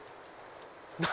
何？